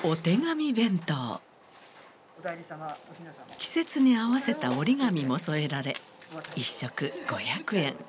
季節に合わせた折り紙も添えられ１食５００円。